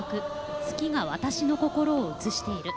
「月が私の心を映している」。